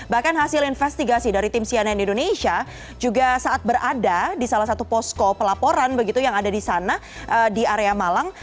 bahkan hasil investigasi dari tim cnn indonesia juga saat berada di salah satu posko pelaporan begitu yang ada di sana di area malang